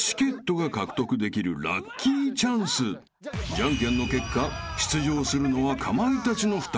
［じゃんけんの結果出場するのはかまいたちの２人］